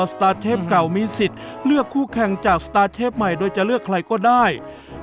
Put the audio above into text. สตาร์เชฟเก่ามีสิทธิ์เลือกคู่แข่งจากสตาร์เชฟใหม่โดยจะเลือกใครก็ได้